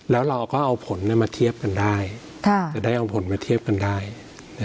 แล้วเราก็เอาผลมาเทียบกันได้จะได้เอาผลมาเทียบกันได้